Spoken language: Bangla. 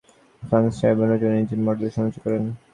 তিনি ফ্র্যাঙ্ক শুমানের সৌর ইঞ্জিন মডেলের সমালোচনা করেন।